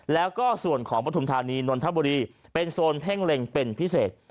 แล้วก็ส่วนของปฐุมธานีนนทบุรีเป็นโซนเพ่งเล็งเป็นพิเศษ